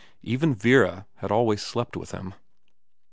Even Vera had always slept with him.